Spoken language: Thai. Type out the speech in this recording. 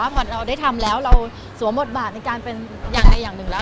พอเราได้ทำแล้วเราสวมบทบาทในการเป็นอย่างใดอย่างหนึ่งแล้ว